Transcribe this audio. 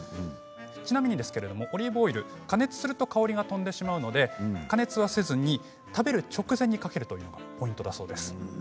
ちなみにオリーブオイルは加熱すると香りが飛んでしまうので加熱はせずに食べる直前にかけるのがポイントなんだそうです。